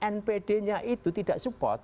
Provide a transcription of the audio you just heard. npd nya itu tidak support